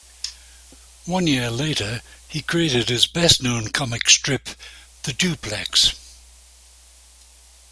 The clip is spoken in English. One year later he created his best-known comic strip-"The Duplex".